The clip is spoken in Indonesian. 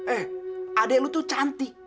eh adik lo itu cantik